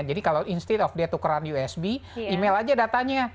jadi kalau instead of dia tukeran usb email saja datanya